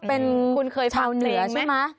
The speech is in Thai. เป็นจับเหนือใช่ไหมชับเหนือใช่ไหม